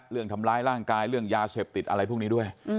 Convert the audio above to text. เรื่องทำร้ายร่างกายเรื่องยาเสพติดอะไรพวกนี้ด้วย